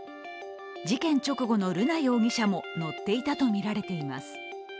事件直後の瑠奈容疑者も乗っていたとみられています。